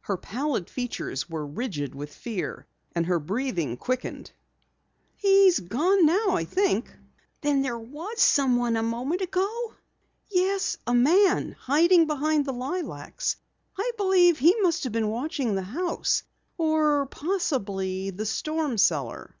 Her pallid features were rigid with fear and her breathing quickened. "He's gone now, I think." "There was someone a moment ago?" "Yes, a man, hiding behind the lilacs. I believe he must have been watching the house or possibly the storm cellar!"